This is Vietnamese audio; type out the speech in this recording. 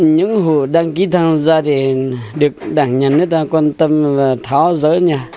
những hộ đăng ký tham gia thì được đảng nhân nước ta quan tâm và tháo giỡn nhà